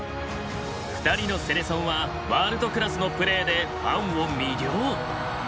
２人のセレソンはワールドクラスのプレーでファンを魅了！